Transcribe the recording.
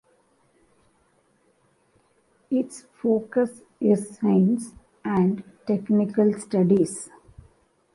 Its focus is science and technical studies.